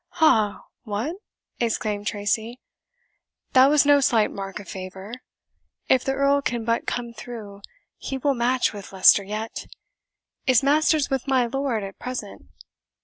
"Ha! what?" exclaimed Tracy; "that was no slight mark of favour. If the Earl can but come through, he will match with Leicester yet. Is Masters with my lord at present?"